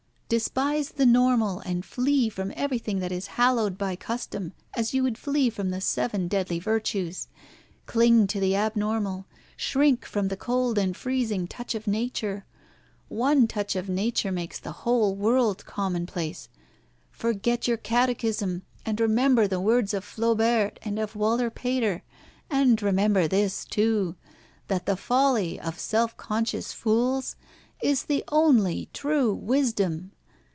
Despise the normal, and flee from everything that is hallowed by custom, as you would flee from the seven deadly virtues. Cling to the abnormal. Shrink from the cold and freezing touch of Nature. One touch of Nature makes the whole world commonplace. Forget your Catechism, and remember the words of Flaubert and of Walter Pater, and remember this, too, that the folly of self conscious fools is the only true wisdom!